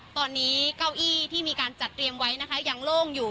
ตอนนี้เก้าอี้ที่มีการจัดเตรียมไว้นะคะยังโล่งอยู่